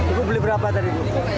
ibu beli berapa tadi